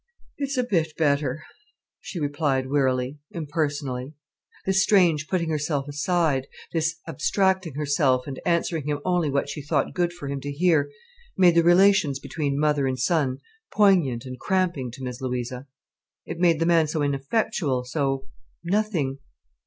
"It's a bit better," she replied wearily, impersonally. This strange putting herself aside, this abstracting herself and answering him only what she thought good for him to hear, made the relations between mother and son poignant and cramping to Miss Louisa. It made the man so ineffectual, so nothing.